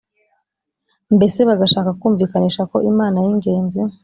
mbese bagashaka kumvikanisha ko Imana yingenzi